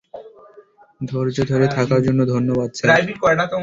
ধৈর্য্য ধরে থাকার জন্য ধন্যবাদ, স্যার।